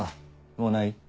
もうない？